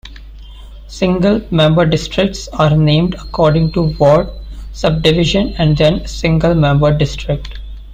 Single Member Districts are named according to Ward, Subdivision, and then Single Member District.